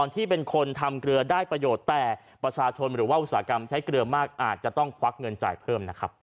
ที่เป็นคนทำเกลือได้ประโยชน์แต่ประชาชนหรือว่าอุตสาหกรรมใช้เกลือมากอาจจะต้องควักเงินจ่ายเพิ่มนะครับ